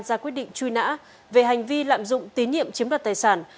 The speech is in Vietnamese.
ra quyết định truy nã về hành vi lạm dụng tín nhiệm chiếm đoạt tài sản